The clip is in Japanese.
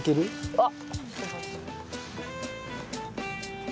あっ！